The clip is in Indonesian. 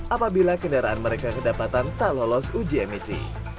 apabila kendaraan mereka kedapatan tak lolos uji emisi